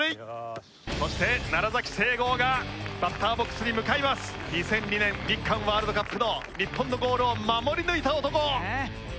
そして正剛がバッターボックスに向２００２年日韓ワールドカップの日本のゴールを守り抜いた男！